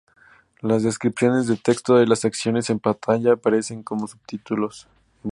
Las descripciones de texto de las acciones en pantalla aparecen como subtítulos.